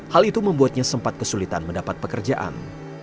hal itu membuatnya sempat kesulitan mendapat pekerjaan